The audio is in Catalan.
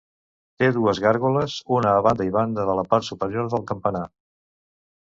Té dues gàrgoles, una a banda i banda de la part superior del campanar.